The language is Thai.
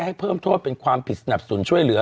ให้เพิ่มโทษเป็นความผิดสนับสนุนช่วยเหลือ